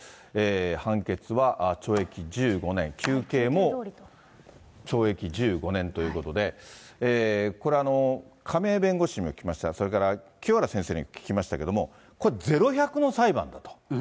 判決は懲役１５年、求刑も懲役１５年ということで、これ、亀井弁護士にも聞きましたが、それから清原先生にも聞きましたけれども、これゼロ１００の裁判だと。